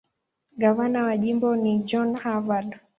Gavana wa jimbo ni John Harvard.